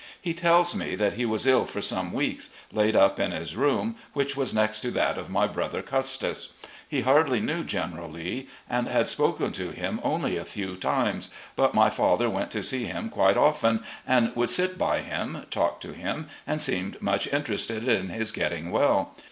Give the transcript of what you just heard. He tells me that he was ill for some weeks, laid up in his room, which was next to that of my brother Custis. He hardly knew General Lee, and had spoken to him only MRS. R. E. LEE 325 a few times, but my father went to see him quite often, would sit by him, talk to him, and seemed much interested in his getting well.